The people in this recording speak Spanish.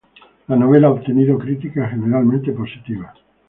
La novela ha obtenido críticas generalmente positivas.